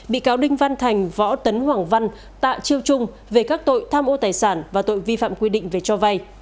bị cáo đinh văn thành võ tấn hoàng văn tạ chiêu trung về các tội tham ô tài sản và tội vi phạm quy định về cho vay